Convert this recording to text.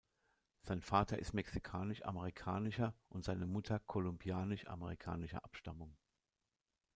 Sein Vater ist mexikanisch-amerikanischer und seine Mutter kolumbianisch-amerikanischer Abstammung.